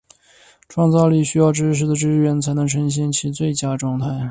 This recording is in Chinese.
创造力需要知识的支援才能呈现其最佳状态。